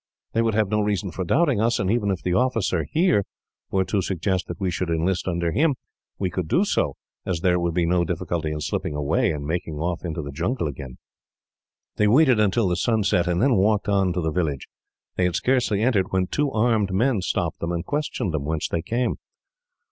"They would have no reason for doubting us, and even if the officer here were to suggest that we should enlist under him, we could do so, as there would be no difficulty in slipping away, and making off into the jungle again." They waited until the sun set, and then walked on into the village. They had scarcely entered, when two armed men stopped them, and questioned them whence they came.